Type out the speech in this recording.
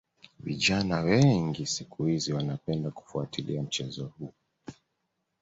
Vijana wengi siku hizi wanapenda kufuatilia mchezo huu